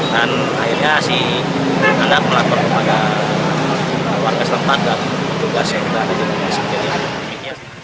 dan akhirnya si anak melakukan kemanggaan warga setempat dan tugasnya tidak ada di sini